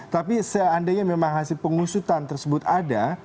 tapi seandainya memang hasil pengusutan tersebut ada